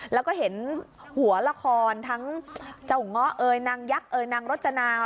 แล้วก็เห็นหัวละครทั้งเจ้าเงาะเอ่ยนางยักษ์เอ่ยนางรจนา